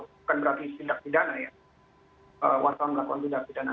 bukan berarti tindak pidana ya wartawan melakukan tindak pidana